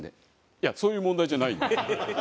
いやそういう問題じゃないんだよ。